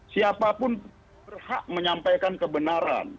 siapapun berhak menyampaikan kebenaran